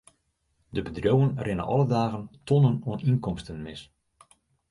De bedriuwen rinne alle dagen tonnen oan ynkomsten mis.